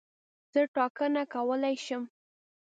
زه ټاکنه کولای شم.